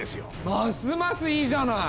ますますいいじゃない！